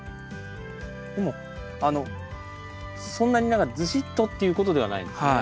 でもあのそんなに何かズシッとっていうことではないんですね。